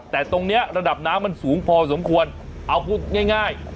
แต่ตรงนี้ระดับน้ำมันสูงพอสมควรเอาพูดง่าย